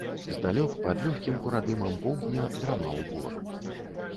Здалёк, пад лёгкім курадымам поўдня, драмаў бор.